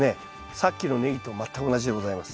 さっきのネギと全く同じでございます。